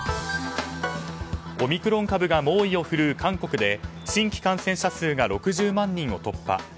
オミクロン株が猛威を振るう韓国で新規感染者数が６０万人を突破。